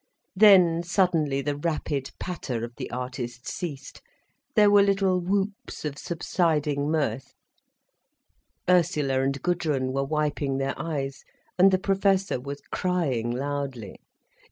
Then suddenly the rapid patter of the artist ceased, there were little whoops of subsiding mirth, Ursula and Gudrun were wiping their eyes, and the Professor was crying loudly.